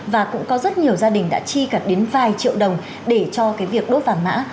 và cũng có rất nhiều gia đình đã chi cả đến vài triệu đồng để cho cái việc đốt vàng mã